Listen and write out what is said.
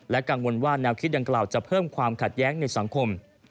กังวลว่าแนวคิดดังกล่าวจะเพิ่มความขัดแย้งในสังคม